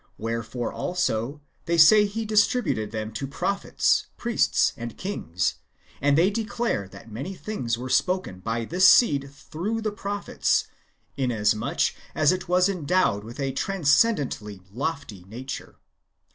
Wherefore, also, they say he distributed them to prophets, priests, and kings ; and they declare that many things were spoken^ by this seed through the prophets, inasmuch as it was endowed with a transcendently lofty nature.